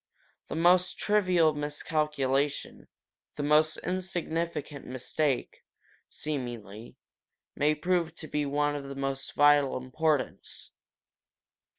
The most trivial miscalculation, the most insignificant mistake, seemingly, may prove to be of the most vital importance.